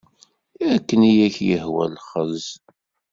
Akken i ak-yehwa lexxez.